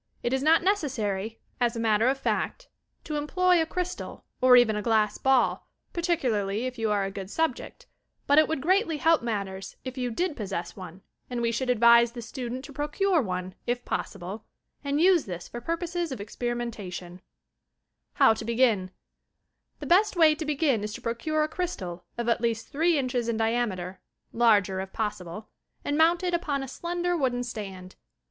It is not necessary, as a matter of fact, to employ a crystal or even a glass ball, particularly if you are a good subject, but it would greatly help matters if you did possess one, and we should advise the student to procure one if possible and use this for purposes of experimentation, HOW TO BEGIN The beat way to begin is to procure a crystal of at least three inches in diameter, larger if possible, and CRYSTAL GAZING 149 taoUQted upon a slender wooden stand.